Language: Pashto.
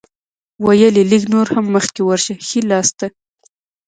ویل یې لږ نور هم مخکې ورشه ښی لاسته.